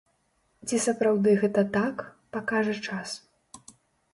Ці сапраўды гэта так, пакажа час.